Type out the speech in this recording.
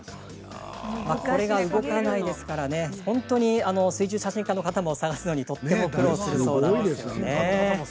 これが動かないですから水中写真家の方も探すのにとても苦労するそうです。